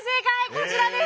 こちらです。